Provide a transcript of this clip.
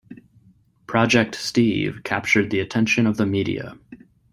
Project Steve captured the attention of the media.